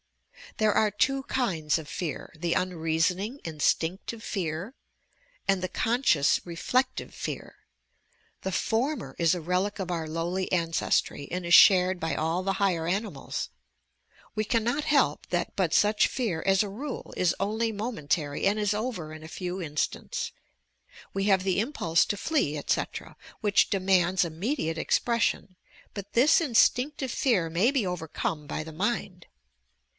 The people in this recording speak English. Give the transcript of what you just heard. There are two kinds of Fear, the unreasoning instinc tive fear, and the couscious, reflective fear. The former is a relic of our lowly ancestry, and is shared by all the higher animals. We cannot help that, but sueh fear, as a rule, is only momentary and is over in a few in stants, — we have the impulse to flee, etc., which demands immediate expression, but this instinctive fear may be overcome by the mind.